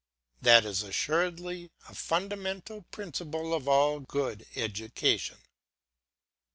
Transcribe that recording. That is assuredly a fundamental principle of all good education.